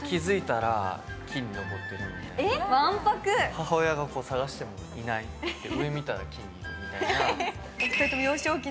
母親が探してもいない、上見たら木にいるみたいな。